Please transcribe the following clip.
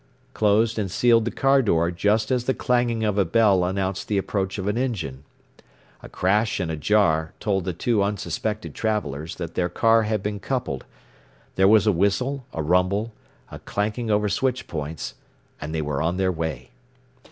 closed and sealed the car door just as the clanging of a bell announced the approach of an engine. A crash and a jar told the two unsuspected travelers that their car had been coupled, there was a whistle, a rumble, a clanking over switch points and they were on their way.